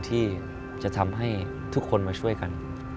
ที่จะทำให้ทุกคนมาช่วยกัน